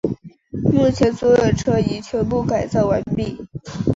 目前所有车已全部改造完毕。